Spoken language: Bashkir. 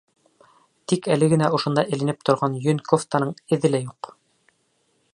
Тик әле генә ошонда эленеп торған йөн кофтаның эҙе лә юҡ.